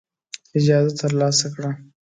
اجازه ترلاسه کړه.